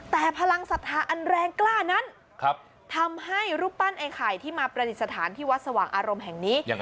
แต่พลังศรัทธาอันแรงกล้านั้นทำให้รูปปั้นไอ้ไข่ที่มาประดิษฐานที่วัดสว่างอารมณ์แห่งนี้